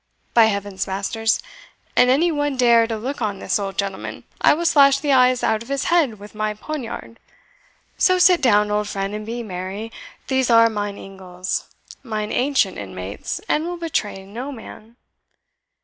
By heavens, masters, an any one dare to look on this old gentleman, I will slash the eyes out of his head with my poniard! So sit down, old friend, and be merry; these are mine ingles mine ancient inmates, and will betray no man."